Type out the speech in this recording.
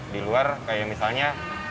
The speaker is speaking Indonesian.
di luar kayak misalnya